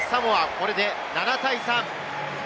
これで７対３。